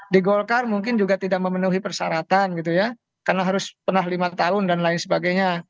di golkar mungkin juga tidak memenuhi persyaratan gitu ya karena harus pernah lima tahun dan lain sebagainya